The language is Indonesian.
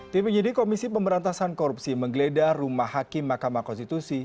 tim penyidik komisi pemberantasan korupsi menggeledah rumah hakim mahkamah konstitusi